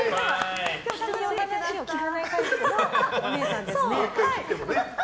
人の話を聞かないタイプのおねえさんですね。